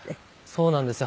そうなんですよ。